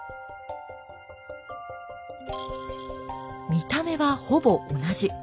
見た目はほぼ同じ。